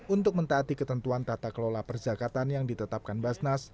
untuk mentaati ketentuan tata kelola perzakatan yang ditetapkan basnas